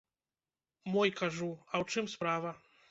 Мой, кажу, а ў чым справа?